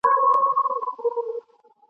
ښځي کولای سي په دفترونو کي کار وکړي.